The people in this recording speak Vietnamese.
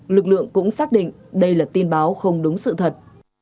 lực lượng cũng xác định đây là tin báo không đúng sự thật